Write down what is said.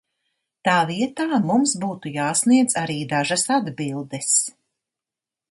Tā vietā mums būtu jāsniedz arī dažas atbildes.